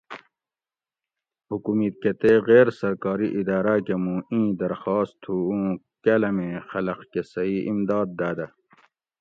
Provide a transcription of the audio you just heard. حکومِت کہ تے غیر سرکاری اِداۤراۤ کہ مُوں اِیں درخاس تُھو اُوں کالامیں خلق کہ صحیح امداد داۤدہ